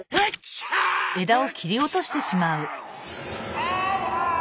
あ！